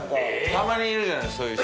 たまにいるじゃないそういう。